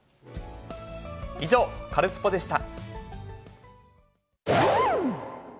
以上、カルスポっ！でした。